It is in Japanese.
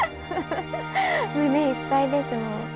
胸いっぱいですもう。